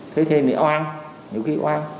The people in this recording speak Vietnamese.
thế thêm thì oan nhiều khi oan